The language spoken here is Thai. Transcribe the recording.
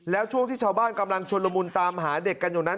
แล้วช่วงที่ชาวบ้านกำลังชนละมุนตามหาเด็กกันอยู่นั้น